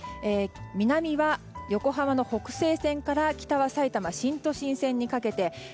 南は横浜の北勢線から北は埼玉新都心線にかけて。